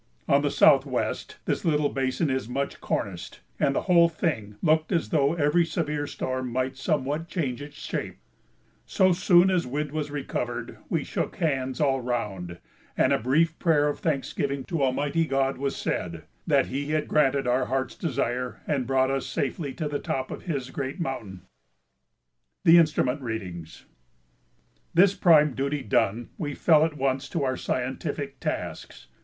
On the southwest this little basin is much corniced, and the whole thing looked as though every severe storm might somewhat change its shape. So soon as wind was recovered we shook hands all round and a brief prayer of thanksgiving to Almighty God was said, that He had granted us our hearts' desire and brought us safely to the top of His great mountain. [Sidenote: The Instrument Readings] This prime duty done, we fell at once to our scientific tasks.